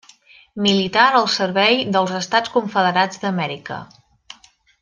Militar al servei dels Estats Confederats d'Amèrica.